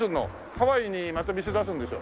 ハワイにまた店出すんでしょ？